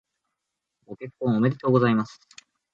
ご結婚おめでとうございます。